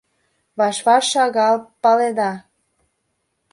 Ваш-ваш шагал паледа.